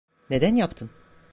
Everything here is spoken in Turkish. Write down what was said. Neden yaptın?